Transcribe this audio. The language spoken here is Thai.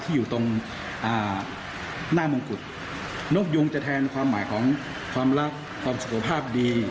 อยู่ตรงหน้ามงกุฎนกยุงจะแทนความหมายของความรักความสุขภาพดี